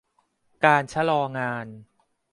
การชะลองาน